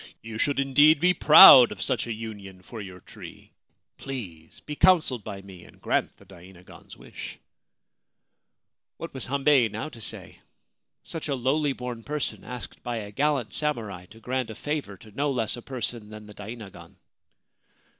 You should indeed be proud of such a union for your tree ! Please be counselled by me and grant the dainagon's wish !' What was Hambei now to say? Such a lowly born person, asked by a gallant samurai to grant a favour to no less a person than the dainagon